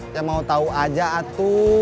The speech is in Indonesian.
ya mau tahu aja atu